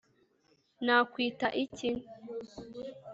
Nakwita iki